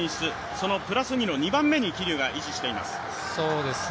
そのプラス２の２番目に桐生が位置しています。